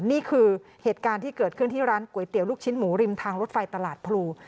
นี่คือเหตุการณ์ที่เกิดขึ้นที่ร้านก๋วยเตี๋ยวลูกชิ้นหมูริมทางรถไฟตลาดพลู